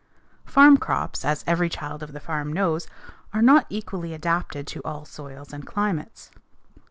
_ Farm crops, as every child of the farm knows, are not equally adapted to all soils and climates.